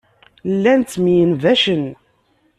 Llan ttemyenbacen.